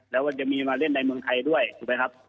แล้วก็จะมีมาเล่นในเมืองไทยด้วยถูกไหมครับ